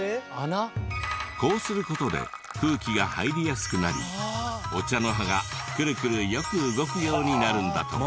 こうする事で空気が入りやすくなりお茶の葉がくるくるよく動くようになるんだとか。